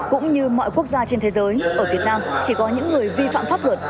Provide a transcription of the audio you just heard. cũng như mọi quốc gia trên thế giới ở việt nam chỉ có những người vi phạm pháp luật